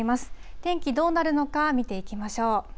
天気、どうなるのか見ていきましょう。